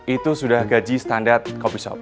itu sudah gaji standar coffee shop